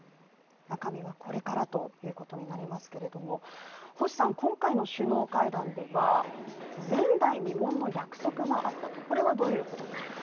中身はこれからということになりますけれども星さん、今回の首脳会談では前代未聞の約束があったとこれはどういうことでしょう。